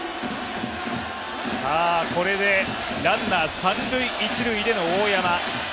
さあ、これでランナー三・一塁での大山。